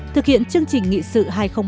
thực hiện chương trình nghị sự hai nghìn ba mươi